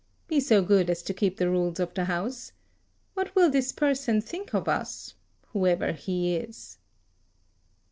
Be so good as to keep the rules of the House. What will this person think of us, whoever he is?"